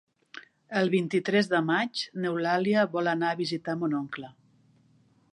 El vint-i-tres de maig n'Eulàlia vol anar a visitar mon oncle.